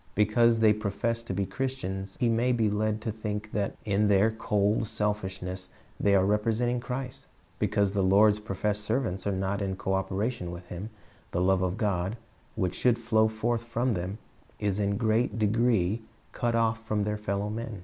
Because they profess to be Christians he may be led to think that in their cold selfishness they are representing Christ. Because the Lord's professed servants are not in co operation with Him, the love of God, which should flow forth from them, is in great degree cut off from their fellow m.en.